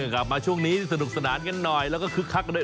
กลับมาช่วงนี้สนุกสนานกันหน่อยแล้วก็คึกคักกันด้วย